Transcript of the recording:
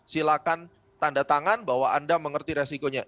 silakan tanda tangan bahwa anda mengerti resikonya